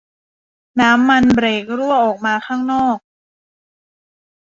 น้ำมันเบรกรั่วออกมาข้างนอก